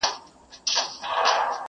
هم لباس هم یې ګفتار د ملکې وو٫